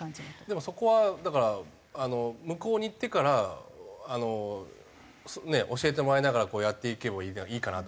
でもそこはだから向こうに行ってから教えてもらいながらやっていけばいいかなと。